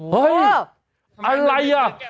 เฮ้ยอะไรอ่ะ